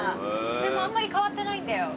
でもあんまり変わってないんだよ。